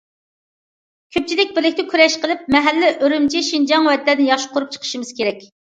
كۆپچىلىك بىرلىكتە كۈرەش قىلىپ، مەھەللە، ئۈرۈمچى، شىنجاڭ، ۋەتەننى ياخشى قۇرۇپ چىقىشىمىز كېرەك.